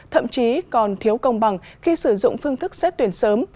thậm chí còn thiếu công bằng khi sử dụng phương thức xét tuyển sớm